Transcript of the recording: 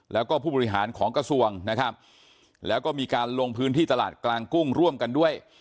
แล้วก็ผู้บริหารของกระทรวงนะครับแล้วก็มีการลงพื้นที่ตลาดกลางกุ้งร่วมกันด้วย